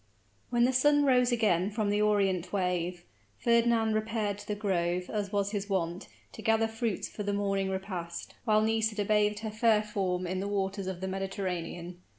When the sun rose again from the orient wave, Fernand repaired to the grove, as was his wont, to gather fruits for the morning repast, while Nisida bathed her fair form in the waters of the Mediterranean.